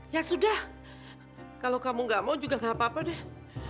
ya sudah kalau kamu gak mau juga gak apa apa deh